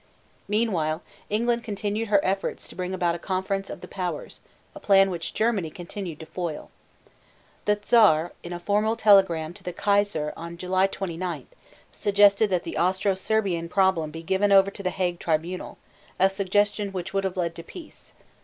Meanwhile England continued her efforts to bring about a conference of the powers, a plan which Germany continued to foil. The Czar in a formal telegram to the Kaiser on July 29 suggested that the Austro Serbian problem be given over to the Hague Tribunal, a suggestion which would have led to peace.